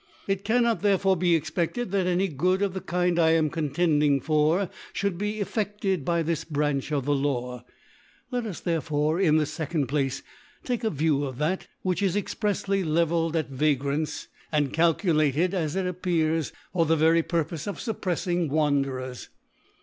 It cannot therefore be expefted, that any Good of the Kind I am contending for, fhould be efiedcd by this Branch of the Law J let us therefore, in the fccond Place, take a View of that which is exprefsly le velled at Vagrants, and calculated, as it ap pears, for the very Purpofe of fuppreffing Wanderers.